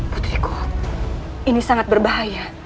putriku ini sangat berbahaya